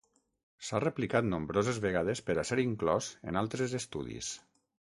S'ha replicat nombroses vegades per a ser inclòs en altres estudis.